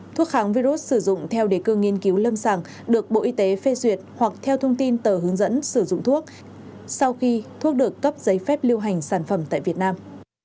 thuốc kháng virus sử dụng theo đề cương nghiên cứu lâm sàng được bộ y tế phê duyệt hoặc theo thông tin tờ hướng dẫn sử dụng thuốc sau khi thuốc được cấp giấy phép lưu hành sản phẩm tại việt nam